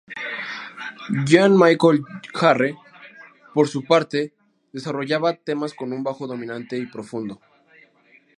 Jean Michel Jarre, por su parte, desarrollaba temas con un bajo dominante y profundo.